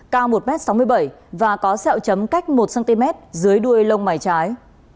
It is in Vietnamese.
cao một m sáu mươi bảy và có sẹo chấm cách một cm dưới đuôi lông mày trái